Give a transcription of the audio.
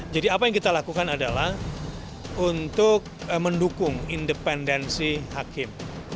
jadi apa yang kita lakukan adalah untuk mendukung independensi hakim